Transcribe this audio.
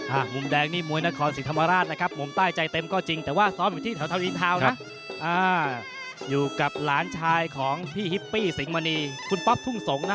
มุมแดงนี่มวยนครศรีธรรมราชนะครับมุมใต้ใจเต็มก็จริงแต่ว่าซ้อมอยู่ที่แถวทาวินทาวน์นะอ่าอยู่กับหลานชายของพี่ฮิปปี้สิงหมณีคุณป๊อปทุ่งสงนะ